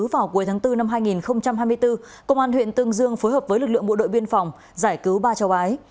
vào cuối tháng bốn năm hai nghìn hai mươi bốn công an huyện tương dương phối hợp với lực lượng bộ đội biên phòng giải cứu ba cháu gái